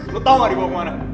gue tau gak dibawa kemana